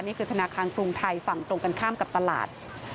นี่คือธนาคารกรุงไทยฝั่งตรงกันข้ามกับตลาด